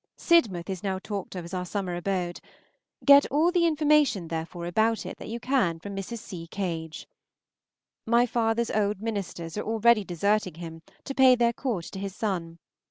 Sidmouth is now talked of as our summer abode. Get all the information, therefore, about it that you can from Mrs. C. Cage. My father's old ministers are already deserting him to pay their court to his son.